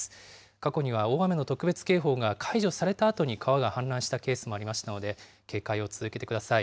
過去には大雨の特別警報が解除されたあとに川が氾濫したケースもありましたので、警戒を続けてください。